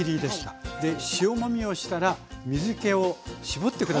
塩もみをしたら水けを絞って下さい。